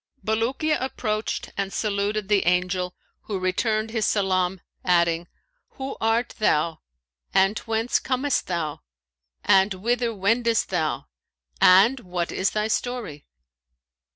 Bulukiya approached and saluted the Angel, who returned his salam adding, 'Who art thou and whence comest thou and whither wendest thou and what is thy story?'